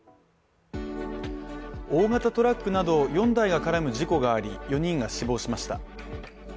大型トラックなど４台が絡む事故があり４人が死亡しました。